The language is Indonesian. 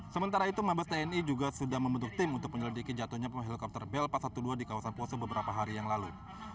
sementara itu mabes tni juga sudah membentuk tim untuk menyelidiki jatuhnya pemilik helikopter bel empat ratus dua belas di kawasan poso beberapa hari yang lalu